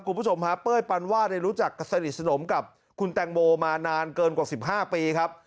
คุณผู้ชมฮะเป้ยปันวาดได้รู้จักสนิทสนมกับคุณแตงโมมานานเกินกว่า๑๕ปีครับ